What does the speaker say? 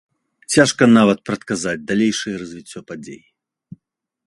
Цяжка нават прадказаць далейшае развіццё падзей.